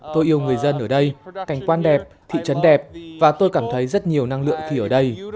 tôi yêu người dân ở đây cảnh quan đẹp thị trấn đẹp và tôi cảm thấy rất nhiều năng lượng khi ở đây